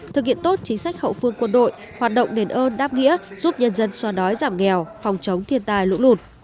thực hiện tốt chính sách hậu phương quân đội hoạt động đền ơn đáp nghĩa giúp nhân dân xoa đói giảm nghèo phòng chống thiên tai lũ lụt